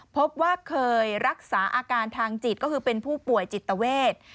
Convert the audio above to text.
พบว่าเคยรักษาอาการทางจิตก็คือเป็นผู้ป่วยจิตเวท